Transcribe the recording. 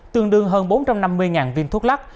tương đương hơn bốn trăm năm mươi viên thuốc lắc